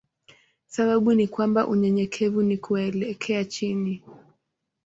Sababu ni kwamba unyenyekevu ni kuelekea chini.